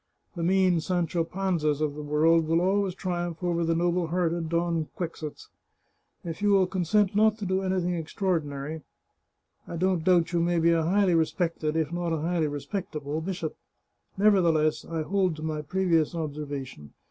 The mean Sancho Panzas of this world will always triumph over the noble hearted Don Quixotes. If you will consent not to do anything extraordi nary, I don't doubt you may be a highly respected, if not a highly respectable, bishop. Nevertheless, I hold to my previous observation.